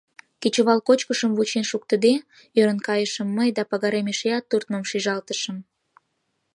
— Кечывал кочкышым вучен шуктыде? — ӧрын кайышым мый да пагарем эшеат туртмым шижылалтышым.